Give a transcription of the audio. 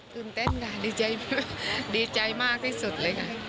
ตื่นเต้นค่ะดีใจมากที่สุดเลยค่ะ